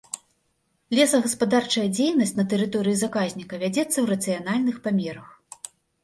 Лесагаспадарчая дзейнасць на тэрыторыі заказніка вядзецца ў рацыянальных памерах.